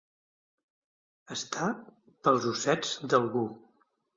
Estar pels ossets d'algú.